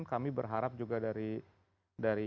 kami berharap juga dari